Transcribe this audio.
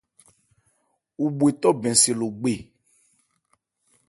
Wu bhwe bɛn se Logbe.